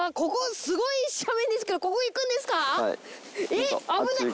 えっ危ない。